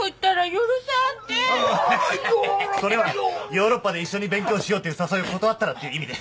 ヨーロッパで一緒に勉強しようって誘いを断ったらっていう意味で。